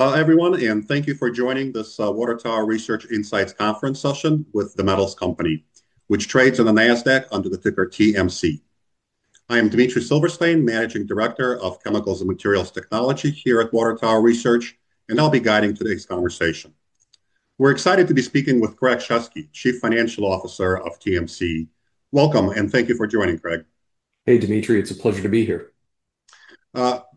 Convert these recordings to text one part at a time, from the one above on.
Hello everyone, and thank you for joining this Water Tower Research Insights Conference session with the metals company, which trades on the Nasdaq under the ticker TMC. I am Dmitry Silversteyn, Managing Director of Chemicals and Materials Technology here at Water Tower Research, and I'll be guiding today's conversation. We're excited to be speaking with Craig Shesky, Chief Financial Officer of TMC. Welcome, and thank you for joining, Craig. Hey, Dmitry. It's a pleasure to be here.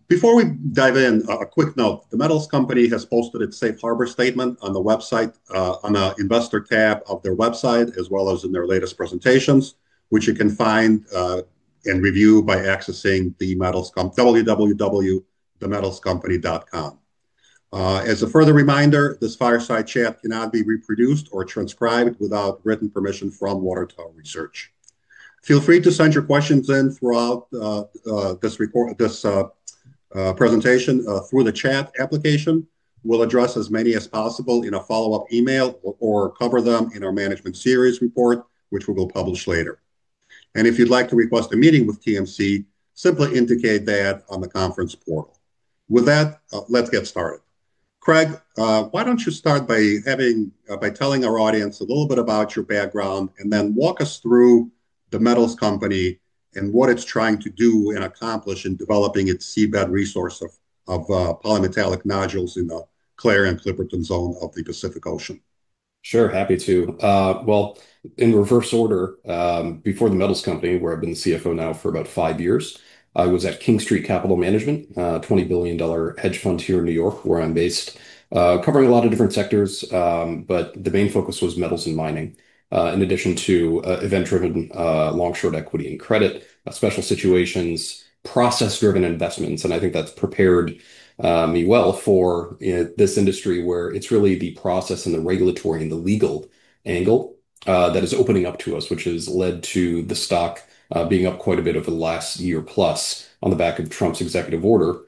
Before we dive in, a quick note. The Metals Company has posted its safe harbor statement on the investor tab of their website, as well as in their latest presentations, which you can find and review by accessing www.themetalscompany.com. As a further reminder, this fireside chat cannot be reproduced or transcribed without written permission from Water Tower Research. Feel free to send your questions in throughout this presentation through the chat application. We'll address as many as possible in a follow-up email or cover them in our management series report, which we will publish later. If you'd like to request a meeting with TMC, simply indicate that on the conference portal. With that, let's get started. Craig, why don't you start by telling our audience a little bit about your background, and then walk us through the metals company and what it's trying to do and accomplish in developing its seabed resource of polymetallic nodules in the Clarion-Clipperton Zone of the Pacific Ocean? Sure. Happy to. Well, in reverse order, before the metals company, where I've been the CFO now for about five years, I was at King Street Capital Management, a $20 billion hedge fund here in New York, where I'm based, covering a lot of different sectors, but the main focus was metals and mining. In addition to event-driven long/short equity and credit, special situations, process-driven investments, and I think that's prepared me well for this industry where it's really the process and the regulatory and the legal angle that is opening up to us, which has led to the stock being up quite a bit over the last year plus on the back of Trump's executive order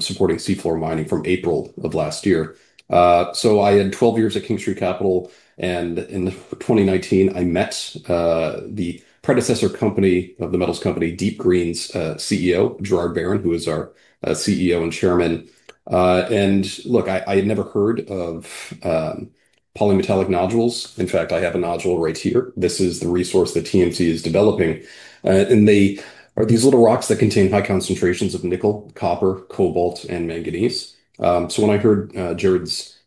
supporting seafloor mining from April of last year. I had 12 years at King Street Capital, and in 2019 I met the predecessor company of the metals company, DeepGreen's CEO, Gerard Barron, who is our CEO and Chairman. Look, I had never heard of polymetallic nodules. In fact, I have a nodule right here. This is the resource that TMC is developing. They are these little rocks that contain high concentrations of nickel, copper, cobalt, and manganese. When I heard Gerard's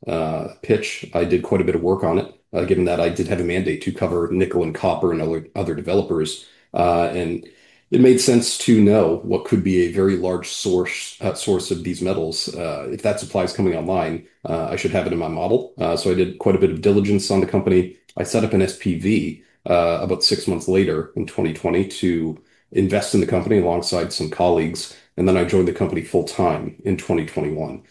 pitch, I did quite a bit of work on it, given that I did have a mandate to cover nickel and copper and other developers. It made sense to know what could be a very large source of these metals. If that supply is coming online, I should have it in my model. I did quite a bit of diligence on the company. I set up an SPV about six months later in 2020 to invest in the company alongside some colleagues, and then I joined the company full time in 2021.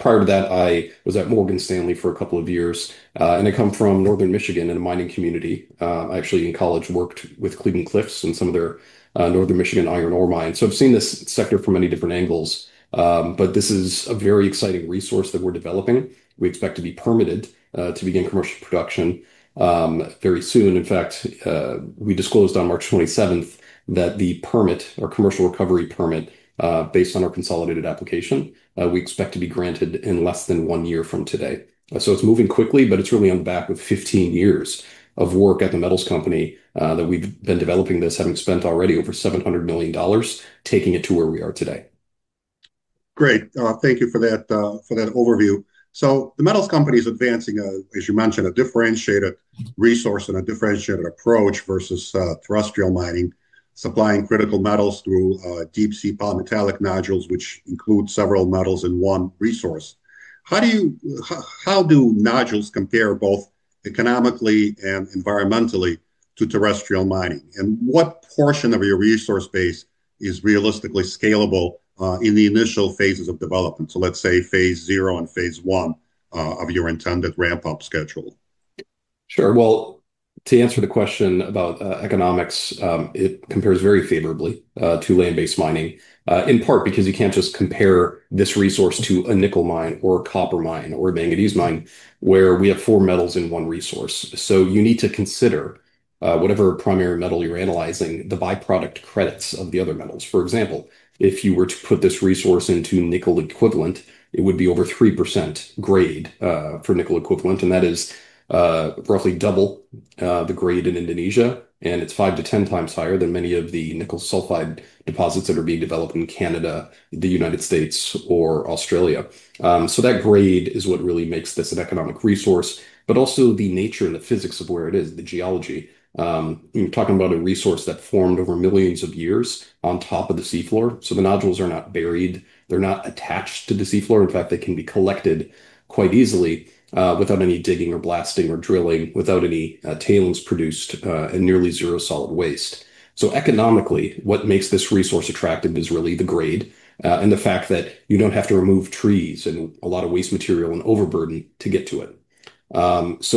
Prior to that, I was at Morgan Stanley for a couple of years, and I come from Northern Michigan in a mining community. I actually, in college, worked with Cleveland-Cliffs and some of their northern Michigan iron ore mines. I've seen this sector from many different angles, but this is a very exciting resource that we're developing. We expect to be permitted to begin commercial production very soon. In fact, we disclosed on March 27th that the permit, or commercial recovery permit, based on our consolidated application, we expect to be granted in less than one year from today. It's moving quickly, but it's really on the back of 15 years of work at the metals company, that we've been developing this, having spent already over $700 million taking it to where we are today. Great. Thank you for that overview. The metals company is advancing a, as you mentioned, a differentiated resource and a differentiated approach versus terrestrial mining, supplying critical metals through deep-sea polymetallic nodules, which include several metals in one resource. How do nodules compare, both economically and environmentally, to terrestrial mining? What portion of your resource base is realistically scalable in the initial phases of development? Let's say Phase 0 and Phase 1 of your intended ramp-up schedule. Sure. Well, to answer the question about economics, it compares very favorably to land-based mining, in part because you can't just compare this resource to a nickel mine or a copper mine or a manganese mine where we have four metals in one resource. You need to consider, whatever primary metal you're analyzing, the by-product credits of the other metals. For example, if you were to put this resource into nickel equivalent, it would be over 3% grade for nickel equivalent, and that is roughly double the grade in Indonesia, and it's 5x-10x higher than many of the nickel sulfide deposits that are being developed in Canada, the United States, or Australia. That grade is what really makes this an economic resource, but also the nature and the physics of where it is, the geology. You're talking about a resource that formed over millions of years on top of the seafloor, so the nodules are not buried. They're not attached to the seafloor. In fact, they can be collected quite easily without any digging or blasting or drilling, without any tailings produced, and nearly zero solid waste. Economically, what makes this resource attractive is really the grade, and the fact that you don't have to remove trees and a lot of waste material and overburden to get to it.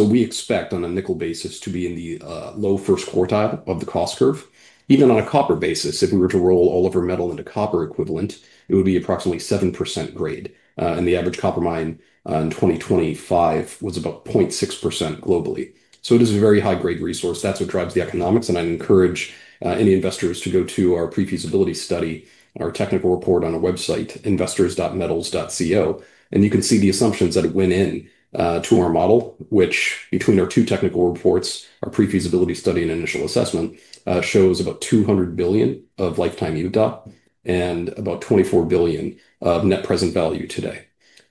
We expect on a nickel basis to be in the low-first quartile of the cost curve. Even on a copper basis, if we were to roll all of our metal into copper equivalent, it would be approximately 7% grade. And the average copper mine in 2025 was about 0.6% globally. It is a very high-grade resource. That's what drives the economics, and I'd encourage any investors to go to our pre-feasibility study and our technical report on our website, investors.metals.co, and you can see the assumptions that went in to our model, which between our two technical reports, our pre-feasibility study, and initial assessment, shows about $200 billion of lifetime EBITDA and about $24 billion of net present value today.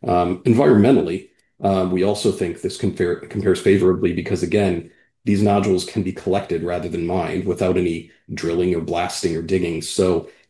Environmentally, we also think this compares favorably because, again, these nodules can be collected rather than mined without any drilling or blasting or digging.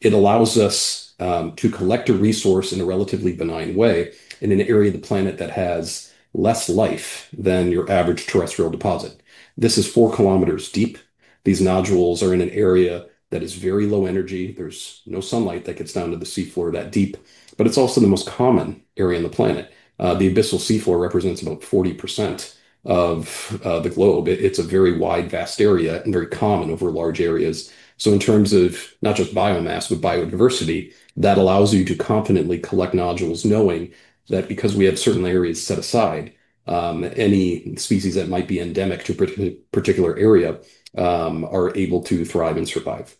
It allows us to collect a resource in a relatively benign way in an area of the planet that has less life than your average terrestrial deposit. This is 4 km deep. These nodules are in an area that is very low energy. There's no sunlight that gets down to the sea floor that deep. It's also the most common area on the planet. The abyssal seafloor represents about 40% of the globe. It's a very wide, vast area and very common over large areas. In terms of not just biomass, but biodiversity, that allows you to confidently collect nodules knowing that because we have certain areas set aside, any species that might be endemic to a particular area are able to thrive and survive.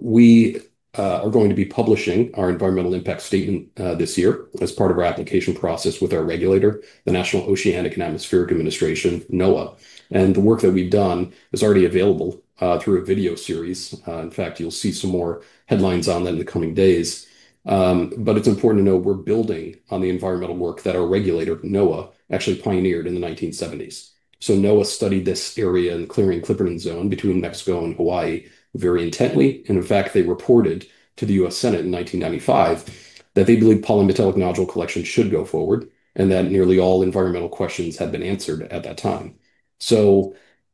We are going to be publishing our environmental impact statement this year as part of our application process with our regulator, the National Oceanic and Atmospheric Administration, NOAA. The work that we've done is already available through a video series. In fact, you'll see some more headlines on that in the coming days. It's important to know we're building on the environmental work that our regulator, NOAA, actually pioneered in the 1970s. NOAA studied this area in the Clarion-Clipperton Zone between Mexico and Hawaii very intently. In fact, they reported to the U.S. Senate in 1995 that they believe polymetallic nodule collection should go forward and that nearly all environmental questions had been answered at that time.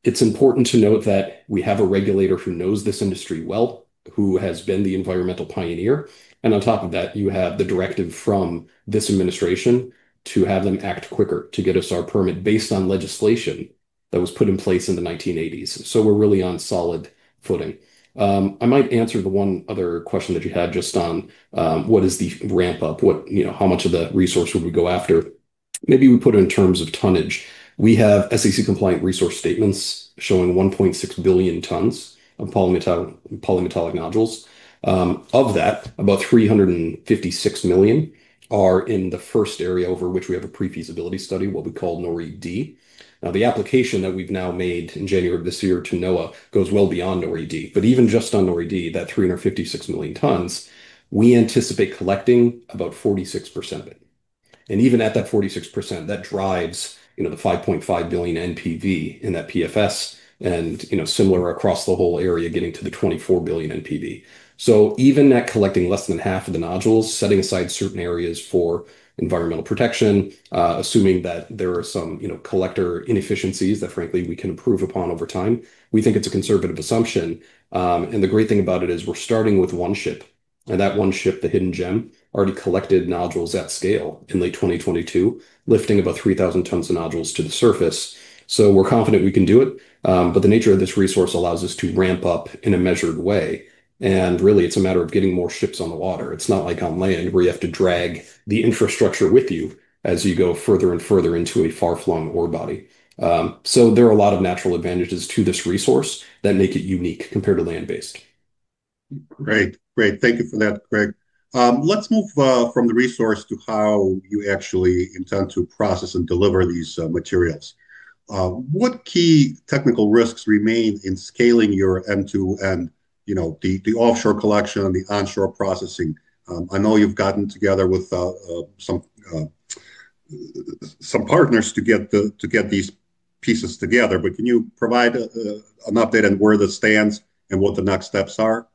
It's important to note that we have a regulator who knows this industry well, who has been the environmental pioneer, and on top of that, you have the directive from this administration to have them act quicker to get us our permit based on legislation that was put in place in the 1980s. We're really on solid footing. I might answer the one other question that you had just on what is the ramp up? How much of the resource would we go after? Maybe we put it in terms of tonnage. We have SEC-compliant resource statements showing 1.6 billion tons of polymetallic nodules. Of that, about 356 million tons are in the first area over which we have a pre-feasibility study, what we call NORI-D. Now, the application that we've now made in January of this year to NOAA goes well beyond NORI-D. Even just on NORI-D, that 356 million tons, we anticipate collecting about 46% of it. Even at that 46%, that drives the $5.5 billion NPV in that PFS and similar across the whole area, getting to the $24 billion NPV. Even at collecting less than half of the nodules, setting aside certain areas for environmental protection, assuming that there are some collector inefficiencies that frankly we can improve upon over time, we think it's a conservative assumption. The great thing about it is we're starting with one ship, and that one ship, the Hidden Gem, already collected nodules at scale in late 2022, lifting about 3,000 tons of nodules to the surface. We're confident we can do it. The nature of this resource allows us to ramp up in a measured way. Really it's a matter of getting more ships on the water. It's not like on land where you have to drag the infrastructure with you as you go further and further into a far-flung ore body. There are a lot of natural advantages to this resource that make it unique compared to land-based. Great. Thank you for that, Craig. Let's move from the resource to how you actually intend to process and deliver these materials. What key technical risks remain in scaling your end-to-end, the offshore collection and the onshore processing? I know you've gotten together with some partners to get these pieces together, but can you provide an update on where this stands and what the next steps are?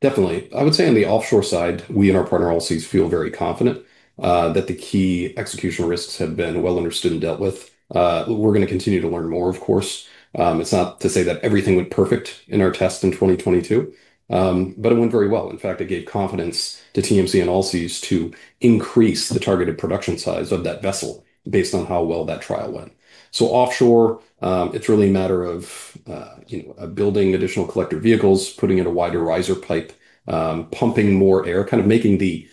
Definitely. I would say on the offshore side, we and our partner, Allseas, feel very confident that the key execution risks have been well understood and dealt with. We're going to continue to learn more, of course. It's not to say that everything went perfect in our test in 2022, but it went very well. In fact, it gave confidence to TMC and Allseas to increase the targeted production size of that vessel based on how well that trial went. Offshore, it's really a matter of building additional collector vehicles, putting in a wider riser pipe, pumping more air, kind of making the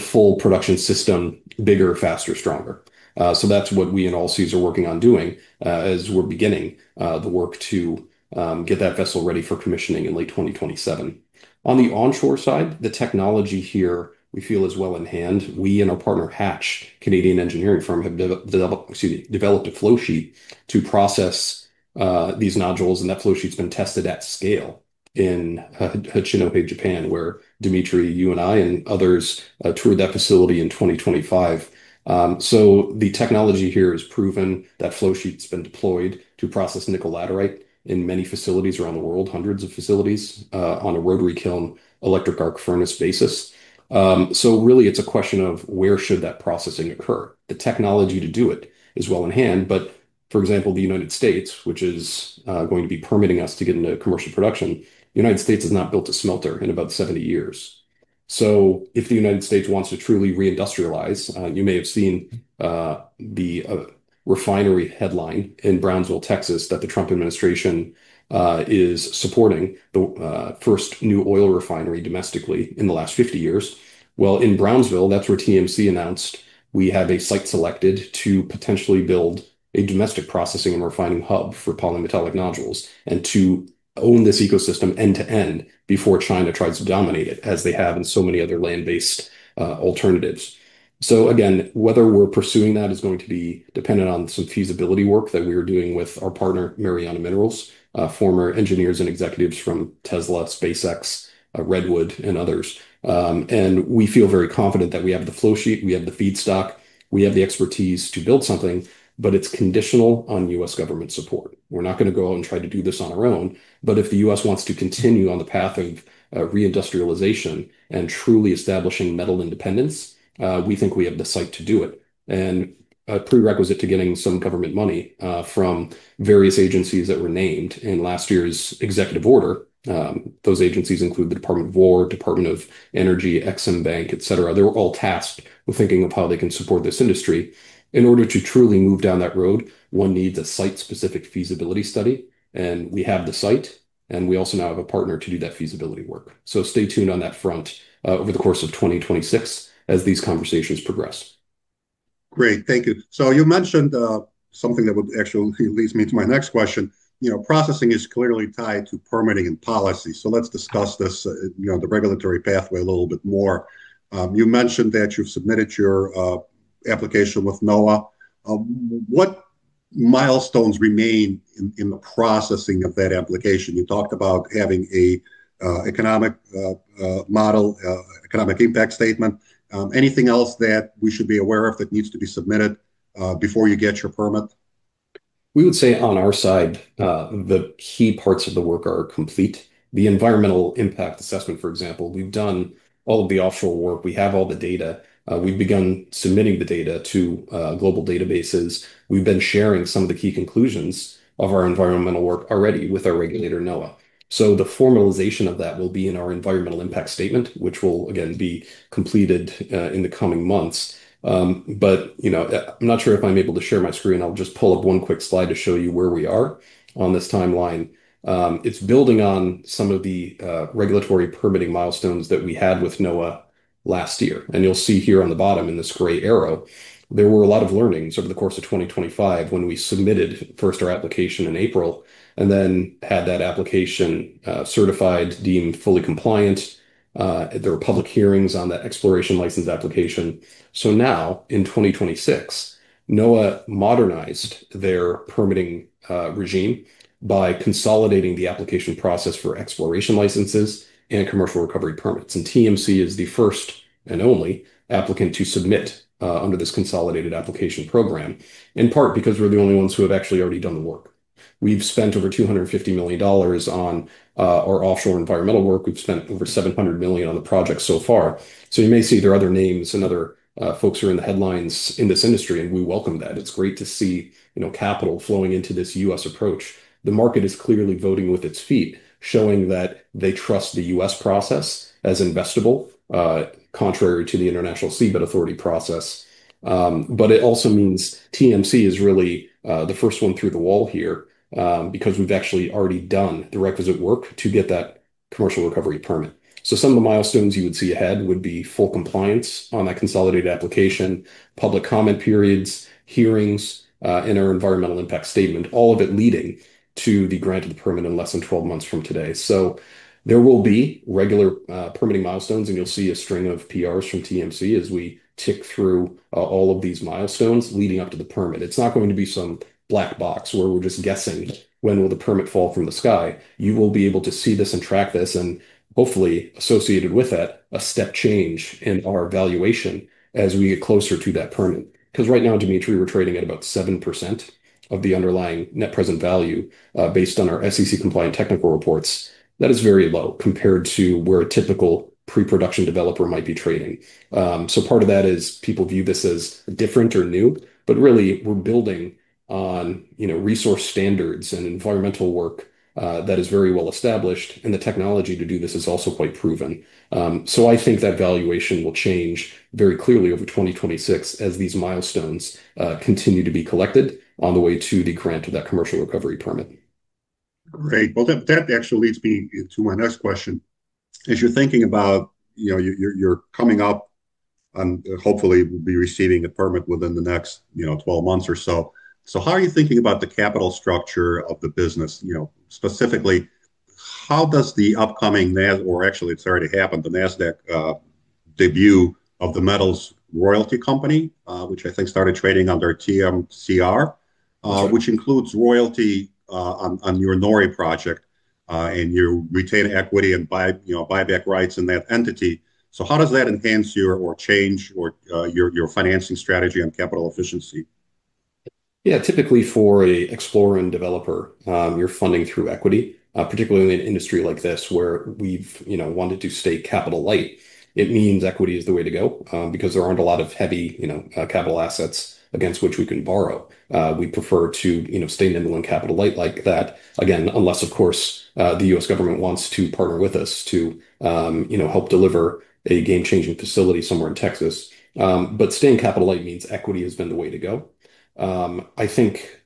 full production system bigger, faster, stronger. That's what we and Allseas are working on doing as we're beginning the work to get that vessel ready for commissioning in late 2027. On the onshore side, the technology here we feel is well in hand. We and our partner, Hatch, a Canadian engineering firm, have developed a flow sheet to process these nodules, and that flow sheet's been tested at scale in Hachinohe, Japan, where Dmitry, you and I and others toured that facility in 2025. The technology here is proven. That flow sheet's been deployed to process nickel laterite in many facilities around the world, hundreds of facilities, on a rotary kiln electric arc furnace basis. Really it's a question of where should that processing occur? The technology to do it is well in hand, but for example, the United States, which is going to be permitting us to get into commercial production, the United States has not built a smelter in about 70 years. If the United States wants to truly re-industrialize, you may have seen the refinery headline in Brownsville, Texas, that the Trump administration is supporting the first new oil refinery domestically in the last 50 years. Well, in Brownsville, that's where TMC announced we have a site selected to potentially build a domestic processing and refining hub for polymetallic nodules and to own this ecosystem end to end before China tries to dominate it as they have in so many other land-based alternatives. Again, whether we're pursuing that is going to be dependent on some feasibility work that we are doing with our partner, Mariana Minerals, former engineers and executives from Tesla, SpaceX, Redwood, and others. We feel very confident that we have the flow sheet, we have the feedstock, we have the expertise to build something, but it's conditional on U.S. government support. We're not going to go out and try to do this on our own. If the U.S. wants to continue on the path of re-industrialization and truly establishing metal independence, we think we have the site to do it. A prerequisite to getting some government money from various agencies that were named in last year's executive order. Those agencies include the Department of War, Department of Energy, EXIM Bank, et cetera. They were all tasked with thinking of how they can support this industry. In order to truly move down that road, one needs a site-specific feasibility study. We have the site, and we also now have a partner to do that feasibility work. Stay tuned on that front over the course of 2026 as these conversations progress. Great. Thank you. You mentioned something that would actually lead me to my next question. Processing is clearly tied to permitting and policy. Let's discuss this, the regulatory pathway a little bit more. You mentioned that you've submitted your application with NOAA. What milestones remain in the processing of that application? You talked about having an economic model, environmental impact statement. Anything else that we should be aware of that needs to be submitted before you get your permit? We would say on our side, the key parts of the work are complete. The environmental impact assessment, for example, we've done all of the offshore work. We have all the data. We've begun submitting the data to global databases. We've been sharing some of the key conclusions of our environmental work already with our regulator, NOAA. The formalization of that will be in our environmental impact statement, which will again, be completed in the coming months. I'm not sure if I'm able to share my screen. I'll just pull up one quick slide to show you where we are on this timeline. It's building on some of the regulatory permitting milestones that we had with NOAA last year. You'll see here on the bottom in this gray arrow, there were a lot of learnings over the course of 2025 when we submitted first our application in April, and then had that application certified, deemed fully compliant. There were public hearings on that exploration license application. Now in 2026, NOAA modernized their permitting regime by consolidating the application process for exploration licenses and commercial recovery permits. TMC is the first and only applicant to submit under this consolidated application program, in part because we're the only ones who have actually already done the work. We've spent over $250 million on our offshore environmental work. We've spent over $700 million on the project so far. You may see there are other names and other folks who are in the headlines in this industry, and we welcome that. It's great to see capital flowing into this U.S. approach. The market is clearly voting with its feet, showing that they trust the U.S. process as investable, contrary to the International Seabed Authority process. It also means TMC is really the first one through the wall here, because we've actually already done the requisite work to get that commercial recovery permit. Some of the milestones you would see ahead would be full compliance on that consolidated application, public comment periods, hearings, and our environmental impact statement, all of it leading to the grant of the permit in less than 12 months from today. There will be regular permitting milestones, and you'll see a string of PRs from TMC as we tick through all of these milestones leading up to the permit. It's not going to be some black box where we're just guessing, when will the permit fall from the sky? You will be able to see this and track this and hopefully associated with that, a step change in our valuation as we get closer to that permit. Because right now, Dmitry, we're trading at about 7% of the underlying net present value, based on our SEC-compliant technical reports. That is very low compared to where a typical pre-production developer might be trading. Part of that is people view this as different or new, but really we're building on resource standards and environmental work that is very well established, and the technology to do this is also quite proven. I think that valuation will change very clearly over 2026 as these milestones continue to be collected on the way to the grant of that commercial recovery permit. Great. Well, that actually leads me to my next question. As you're thinking about coming up and hopefully will be receiving a permit within the next 12 months or so. How are you thinking about the capital structure of the business? Specifically, how does the upcoming, or actually, it's already happened, the Nasdaq debut of The Metals Royalty Company, which I think started trading under TMCR, which includes royalty on your NORI project, and your retained equity and buyback rights in that entity. How does that enhance or change your financing strategy and capital efficiency? Yeah. Typically for an explorer and developer, you're funding through equity, particularly in an industry like this where we've wanted to stay capital light. It means equity is the way to go, because there aren't a lot of heavy capital assets against which we can borrow. We prefer to stay nimble and capital light like that. Again, unless, of course, the U.S. government wants to partner with us to help deliver a game-changing facility somewhere in Texas. Staying capital light means equity has been the way to go. I think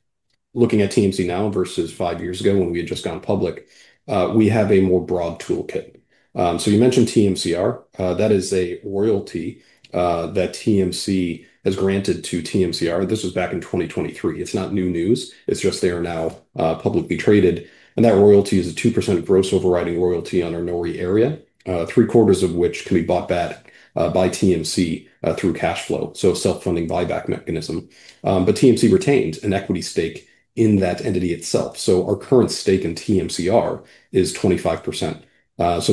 looking at TMC now versus five years ago when we had just gone public, we have a more broad toolkit. You mentioned TMCR. That is a royalty that TMC has granted to TMCR. This was back in 2023. It's not new news, it's just they are now publicly traded, and that royalty is a 2% gross overriding royalty on our NORI area, 3/4 of which can be bought back by TMC through cash flow. Self-funding buyback mechanism. TMC retains an equity stake in that entity itself. Our current stake in TMCR is 25%.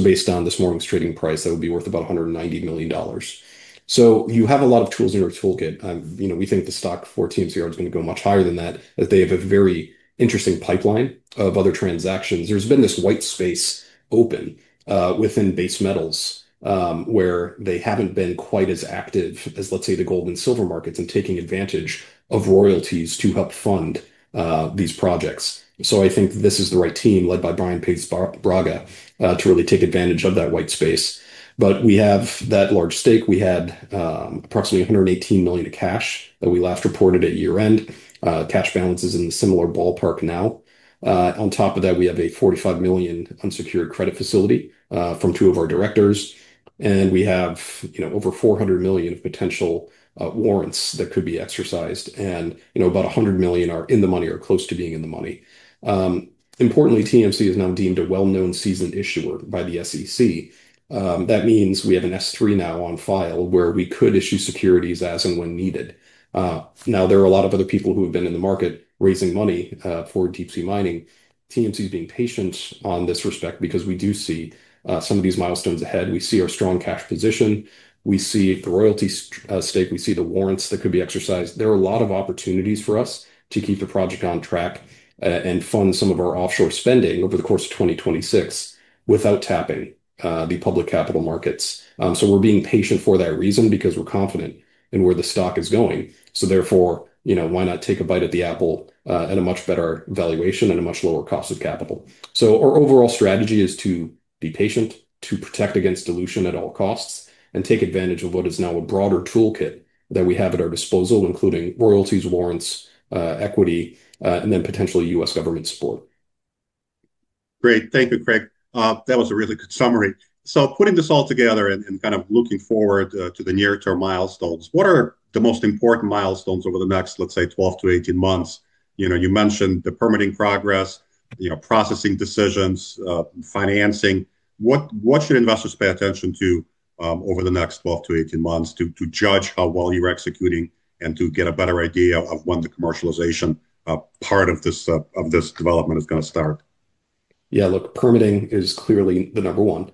Based on this morning's trading price, that would be worth about $190 million. You have a lot of tools in your toolkit. We think the stock for TMCR is going to go much higher than that, as they have a very interesting pipeline of other transactions. There's been this white space open within base metals, where they haven't been quite as active as, let's say, the gold and silver markets in taking advantage of royalties to help fund these projects. I think this is the right team, led by Brian Paes-Braga, to really take advantage of that white space. We have that large stake. We had approximately $118 million of cash that we last reported at year-end. Cash balance is in a similar ballpark now. On top of that, we have a $45 million unsecured credit facility from two of our directors, and we have over $400 million of potential warrants that could be exercised, and about $100 million are in the money or close to being in the money. Importantly, TMC is now deemed a well-known seasoned issuer by the SEC. That means we have an S-3 now on file where we could issue securities as and when needed. Now, there are a lot of other people who have been in the market raising money for deep-sea mining. TMC's being patient in this respect because we do see some of these milestones ahead. We see our strong cash position, we see the royalty stake, we see the warrants that could be exercised. There are a lot of opportunities for us to keep the project on track and fund some of our offshore spending over the course of 2026 without tapping the public capital markets. We're being patient for that reason because we're confident in where the stock is going. Therefore, why not take a bite at the apple at a much better valuation and a much lower cost of capital? Our overall strategy is to be patient, to protect against dilution at all costs, and take advantage of what is now a broader toolkit that we have at our disposal, including royalties, warrants, equity, and then potentially U.S. government support. Great. Thank you, Craig. That was a really good summary. Putting this all together and kind of looking forward to the near-term milestones, what are the most important milestones over the next, let's say, 12-18 months? You mentioned the permitting progress, processing decisions, financing. What should investors pay attention to over the next 12-18 months to judge how well you're executing and to get a better idea of when the commercialization part of this development is going to start? Yeah, look, permitting is clearly the number one.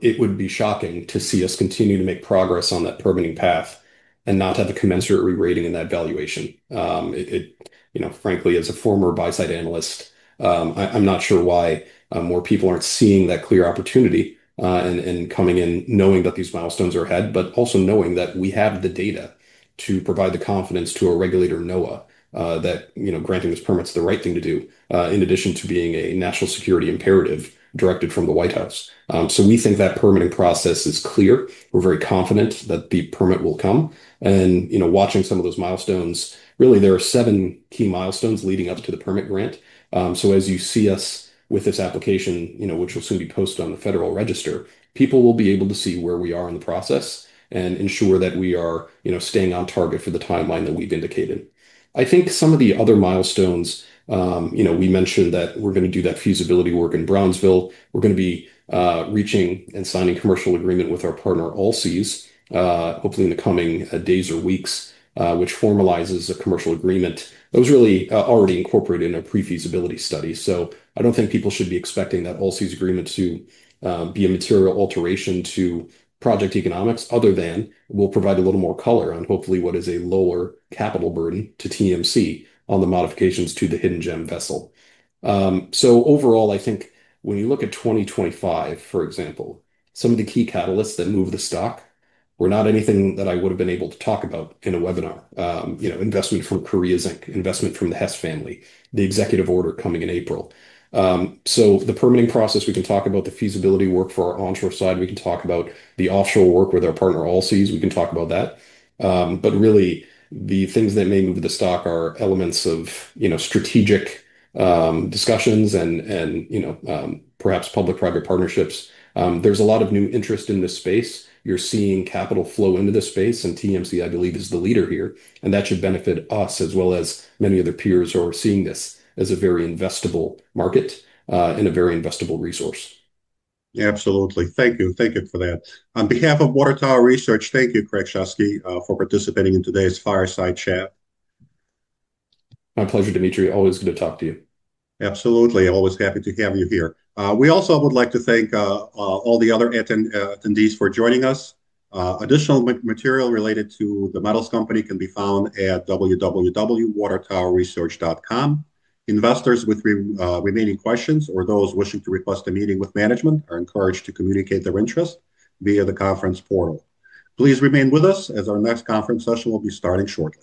It would be shocking to see us continue to make progress on that permitting path and not have the commensurate rerating in that valuation. Frankly, as a former buy-side analyst, I'm not sure why more people aren't seeing that clear opportunity and coming in knowing that these milestones are ahead, but also knowing that we have the data to provide the confidence to a regulator, NOAA, that granting this permit's the right thing to do, in addition to being a national security imperative directed from the White House. We think that permitting process is clear. We're very confident that the permit will come and watching some of those milestones, really, there are seven key milestones leading up to the permit grant. As you see us with this application, which will soon be posted on the Federal Register, people will be able to see where we are in the process and ensure that we are staying on target for the timeline that we've indicated. I think some of the other milestones, we mentioned that we're going to do that feasibility work in Brownsville. We're going to be reaching and signing commercial agreement with our partner, Allseas, hopefully in the coming days or weeks, which formalizes a commercial agreement that was really already incorporated in a pre-feasibility study. I don't think people should be expecting that Allseas agreement to be a material alteration to project economics other than we'll provide a little more color on hopefully what is a lower capital burden to TMC on the modifications to the Hidden Gem vessel. Overall, I think when you look at 2025, for example, some of the key catalysts that move the stock were not anything that I would've been able to talk about in a webinar. Investment from Korea Zinc, investment from the Hess family, the executive order coming in April. The permitting process, we can talk about the feasibility work for our onshore side. We can talk about the offshore work with our partner, Allseas. We can talk about that. Really the things that may move the stock are elements of strategic discussions and perhaps public-private partnerships. There's a lot of new interest in this space. You're seeing capital flow into this space, and TMC, I believe, is the leader here, and that should benefit us as well as many other peers who are seeing this as a very investable market, and a very investable resource. Absolutely. Thank you. Thank you for that. On behalf of Water Tower Research, thank you, Craig Shesky, for participating in today's fireside chat. My pleasure, Dmitry. Always good to talk to you. Absolutely. Always happy to have you here. We also would like to thank all the other attendees for joining us. Additional material related to the metals company can be found at www.watertowerresearch.com. Investors with remaining questions or those wishing to request a meeting with management are encouraged to communicate their interest via the conference portal. Please remain with us as our next conference session will be starting shortly.